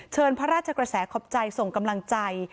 พระราชกระแสขอบใจส่งกำลังใจ